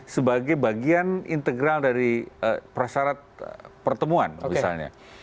sebagai bagian integral dari prasyarat pertemuan misalnya